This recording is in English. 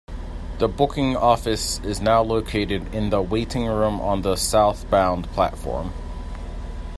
The booking office is now located in the waiting room on the southbound platform.